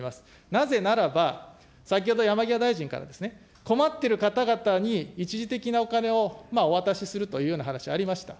なぜならば、先ほど、山際大臣から、困ってる方々に一時的なお金をお渡しするというような話ありました。